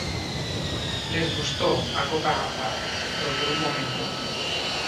Les gustó, acota Hazard, "pero por un momento.